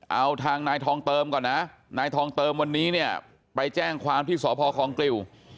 เอาทางนายทองเติมก่อนนะนายทองเติมวันนี้เนี่ยไปแจ้งความที่สพคลองกลิว